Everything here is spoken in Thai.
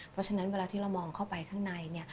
เพราะฉะนั้นเวลาที่เรามองเข้าไปข้างใน